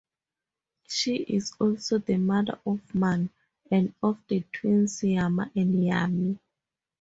She is also the mother of Manu, and of the twins Yama and Yami.